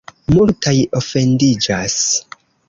Multaj ofendiĝas.